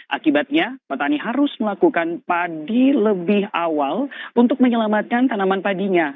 akibatnya petani harus melakukan padi lebih awal untuk menyelamatkan tanaman padinya